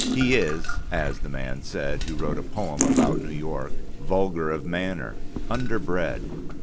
He is (as the man said who wrote a poem about New York) vulgar of manner, underbred.